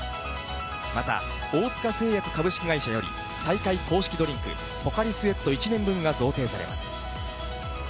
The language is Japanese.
また、大塚製薬株式会社より、大会公式ドリンク、ポカリスエット１年分が贈呈されます。